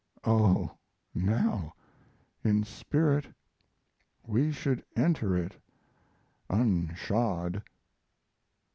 oh, now, in spirit we should enter it unshod.